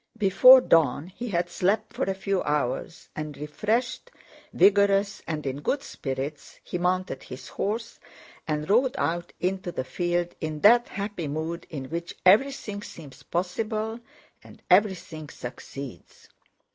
Before dawn he had slept for a few hours, and refreshed, vigorous, and in good spirits, he mounted his horse and rode out into the field in that happy mood in which everything seems possible and everything succeeds.